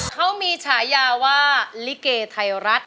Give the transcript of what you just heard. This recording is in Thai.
เขามีฉายาว่าลิเกไทยรัฐ